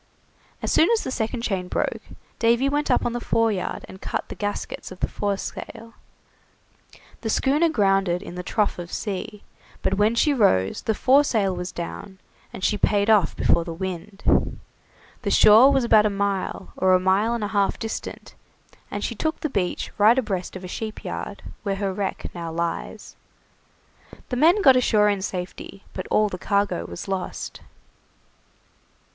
As soon as the second chain broke, Davy went up on the fore yard and cut the gaskets of the foresail. The schooner grounded in the trough of sea, but when she rose the foresail was down, and she paid off before the wind. The shore was about a mile, or a mile and a half distant, and she took the beach right abreast of a sheep yard, where her wreck now lies. The men got ashore in safety, but all the cargo was lost.